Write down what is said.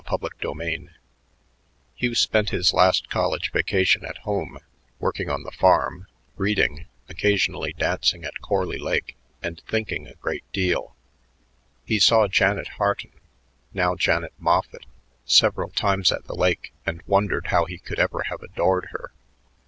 CHAPTER XXIV Hugh spent his last college vacation at home, working on the farm, reading, occasionally dancing at Corley Lake, and thinking a great deal. He saw Janet Harton, now Janet Moffitt, several times at the lake and wondered how he could ever have adored her.